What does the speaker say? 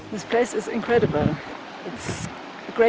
tempat ini luar biasa